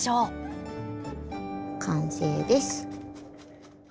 完成です。